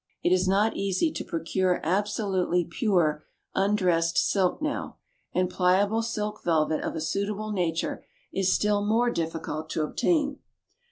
It is not easy to procure absolutely pure "undressed" silk now, and pliable silk velvet of a suitable nature is still more difficult to obtain.